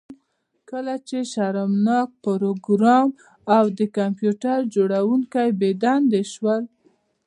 کله چې شرمناک پروګرامر او د کمپیوټر جوړونکی بې دندې شول